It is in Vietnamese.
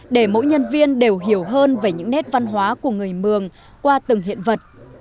để mỗi nhân viên đều hiểu hơn về những nét văn hóa của người mường qua từng hiện vật